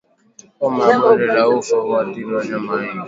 Homa ya bonde la ufa huathiri wanyama wengi